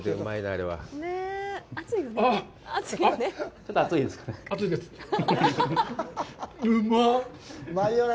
ちょっと熱いですかね。